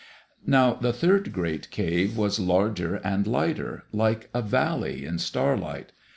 Now the third great cave was larger and lighter, like a valley in starlight.